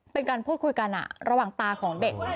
เป็นการพูดคุยกันระหว่างตาของเด็ก